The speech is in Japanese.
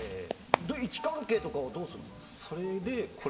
位置関係とかはどうするんですか？